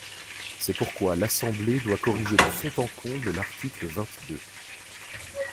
C’est pourquoi l’Assemblée doit corriger de fond en comble l’article vingt-deux.